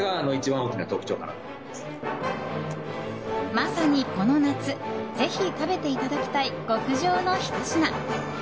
まさに、この夏ぜひ食べていただきたい極上のひと品。